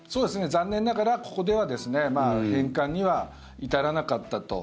残念ながら返還には至らなかったと。